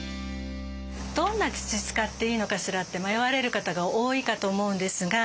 どんな土使っていいのかしら？って迷われる方が多いかと思うんですが